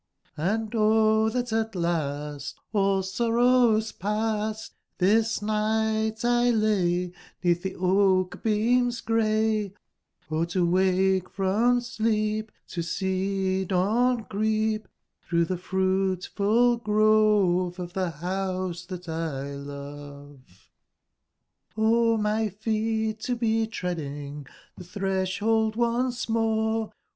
J^DOt tbat at last, Hll sorrows past, tibisnigbtllay 'I^eatb tbe oak/beams grey t jO, to wake from sleep Xo see dawn creep t:brougb tbe fruitful grove Of tbe bouse tbat X lovet t my feet to be treading tbe tbresbold once more.